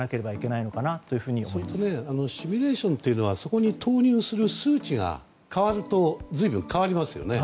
それとシミュレーションというのはそこに投入する数値が変わると随分と変わりますよね。